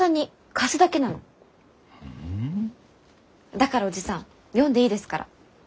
だからおじさん読んでいいですから。